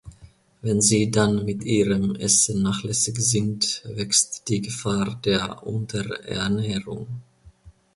Wenn sie dann mit ihrem Essen nachlässig sind, wächst die Gefahr der Unterernährung.